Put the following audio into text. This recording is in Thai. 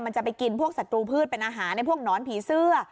จะไปกินพวกศัตรูพืชเป็นอาหารในพวกหนอนผีเสื้อ